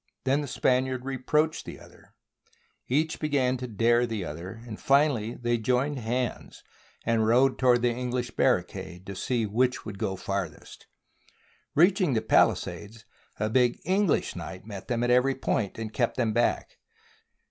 Then the Spaniard reproached the other, each began to " dare " the other, and finally they joined hands and rode toward the English bar ricade — to see which would go farthest. Reaching the palisades, a big English knight met them at every point, and kept them back.